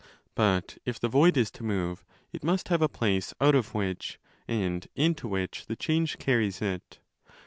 But if the void is to move, it must have a place out of which and into which the change carries it.